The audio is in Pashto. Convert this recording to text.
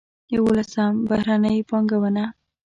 یولسم: بهرنۍ پانګونه.